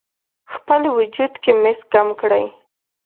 خپل وجود کې مس کم کړئ: